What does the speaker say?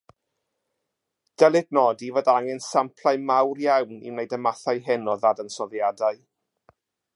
Dylid nodi fod angen samplau mawr iawn i wneud y mathau hyn o ddadansoddiadau.